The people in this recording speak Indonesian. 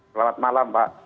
selamat malam pak